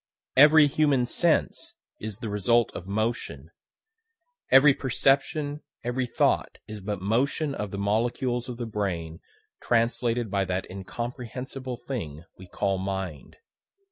Every human sense is the result of motion; every perception, every thought is but motion of the molecules of the brain translated by that incomprehensible thing we call mind.